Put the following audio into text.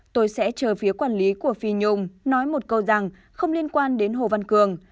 tôi sẽ chờ phía quản lý của phi nhung nói một câu rằng không liên quan đến hồ văn cường